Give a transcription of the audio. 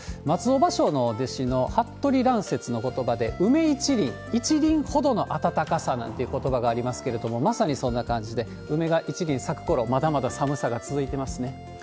松尾芭蕉の弟子のはっとりらんせつのことばで梅一輪、一輪ほどの暖かさなんてことばがありますけれども、まさにそんな感じで、梅が一輪咲くころ、まだまだ寒さが続いてますね。